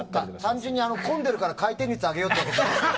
単純に混んでるから回転率上げようとか。